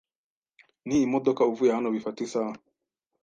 n'imodoka uvuye hano bifata isaha.